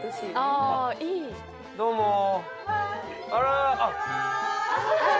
どうも。